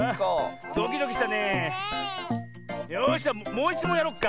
よしじゃもういちもんやろっか！